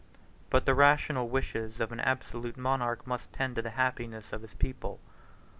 But the rational wishes of an absolute monarch must tend to the happiness of his people.